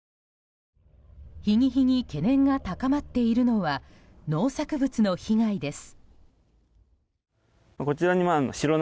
日に日に懸念が高まっているのは農作物の被害です。